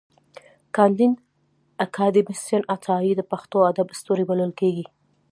کانديد اکاډميسن عطايي د پښتو ادب ستوری بلل کېږي.